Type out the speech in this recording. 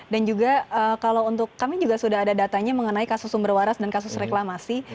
dan juga kalau untuk kami juga sudah ada datanya mengenai kasus sumber waras dan kasus reklamasi